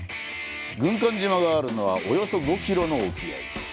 軍艦島があるのは、およそ５キロの沖合。